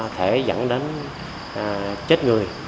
thể dẫn đến chết người